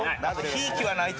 ひいきはないという。